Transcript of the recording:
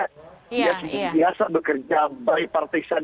dia biasa bekerja berpartisan